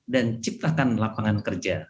dan ciptakan lapangan kerja